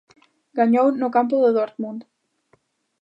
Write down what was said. Gañou no campo do Dortmund.